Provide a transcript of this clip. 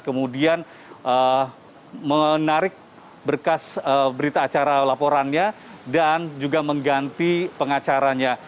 kemudian menarik berkas berita acara laporannya dan juga mengganti pengacaranya